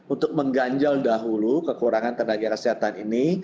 untuk mengganjal dahulu kekurangan tenaga kesehatan ini